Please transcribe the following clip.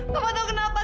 papa tau kenapa